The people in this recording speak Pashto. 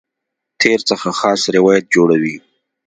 تېر څخه خاص روایت جوړوي.